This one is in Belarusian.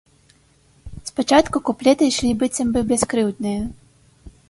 Спачатку куплеты ішлі быццам бы бяскрыўдныя.